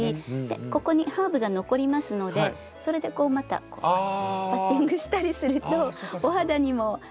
ここにハーブが残りますのでそれでこうまたパッティングしたりするとお肌にもいいかなみたいな感じ。